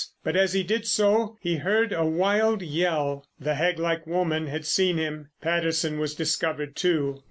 But, as he did so, he heard a wild yell. The hag like woman had seen him. Patterson was discovered, too.